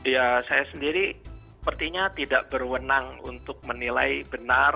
ya saya sendiri sepertinya tidak berwenang untuk menilai benar